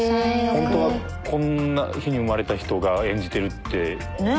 ほんとはこんな日に生まれた人が演じてるって。ねぇ。